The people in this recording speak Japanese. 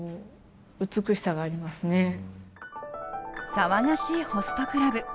騒がしいホストクラブ。